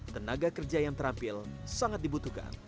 tenaga kerja yang terampil sangat dibutuhkan